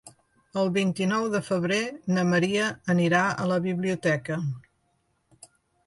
El vint-i-nou de febrer na Maria anirà a la biblioteca.